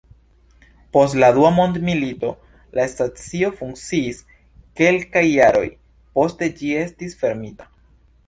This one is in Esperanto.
Post la Dua Mondmilito, la stacio funkciis kelkaj jaroj, poste ĝi estis fermita.